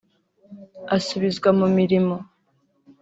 asubizwa mu mirimo